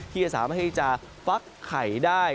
ที่จะสามารถที่จะฟักไข่ได้